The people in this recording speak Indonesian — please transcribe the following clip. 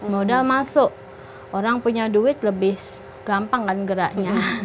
modal masuk orang punya duit lebih gampang kan geraknya